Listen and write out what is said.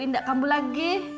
indah kambul lagi